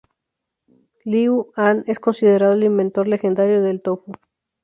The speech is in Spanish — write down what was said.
Liu An es considerado el inventor legendario del tofu.